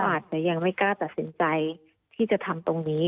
อาจจะยังไม่กล้าตัดสินใจที่จะทำตรงนี้